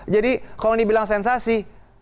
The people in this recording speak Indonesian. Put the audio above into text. jadi kalau ini bilang sensasi